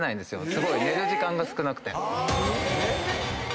すごい寝る時間が少なくて。